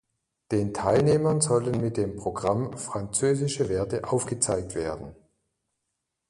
Den Teilnehmern sollen mit dem Programm „französische Werte“ aufgezeigt werden.